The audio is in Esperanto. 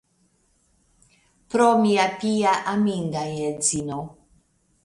Pro mia pia, aminda edzino.